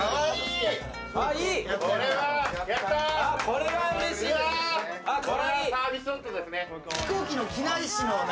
これはサービスショットですね。